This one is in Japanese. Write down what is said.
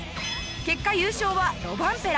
結果優勝はロバンペラ。